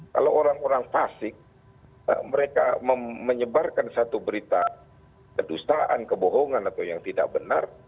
kalau orang orang klasik mereka menyebarkan satu berita kedustaan kebohongan atau yang tidak benar